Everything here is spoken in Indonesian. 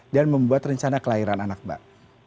dan membuat rencana kelahiran anak mbak